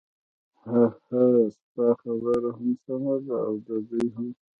ههه ستا خبره هم سمه ده او د دوی هم.